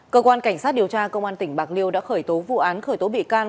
cơ quan cảnh sát điều tra công an tỉnh bạc liêu đã khởi tố vụ án khởi tố bị can